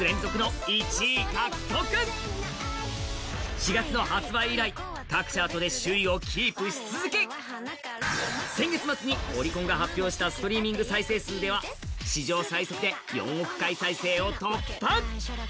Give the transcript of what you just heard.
４月の発売以来、各チャートで首位をキープし続け、先月末にオリコンが発表したストリーミング再生回数では、史上最速で４億回再生を突破。